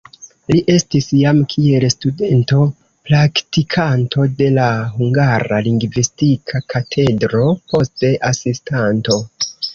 Li estis jam kiel studento praktikanto de la Hungara Lingvistika Katedro, poste asistanto.